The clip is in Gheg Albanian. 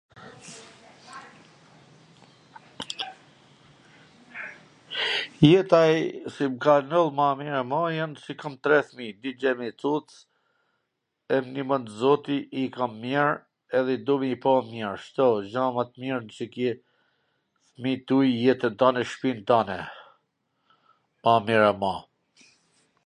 Jeta si m ka ndodh mir e mar a se kam tri fmij, dy djem e nj cuc, i nimoft zoti, i kam mir edhe i du me i pa mir, kshtu, po gja ma t mir nw kwt jet fmit, duijetwn tane e shpin tane, ma mira ma